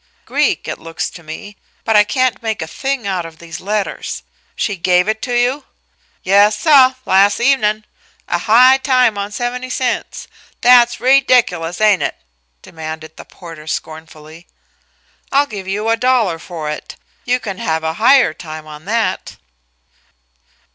Greek, it looks to me, but I can't make a thing out of these letters. She gave it to you?" "Yas, suh las' evenin'. A high time on seventy cents! That's reediculous, ain't it?" demanded the porter scornfully. "I'll give you a dollar for it. You can have a higher time on that."